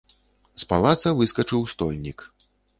З палаца выскачыў стольнік.